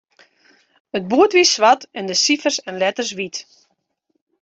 It boerd wie swart en de sifers en letters wyt.